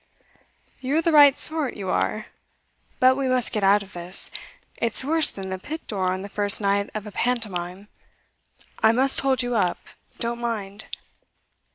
'You're the right sort, you are. But we must get out of this. It's worse than the pit door on the first night of a pantomime. I must hold you up; don't mind.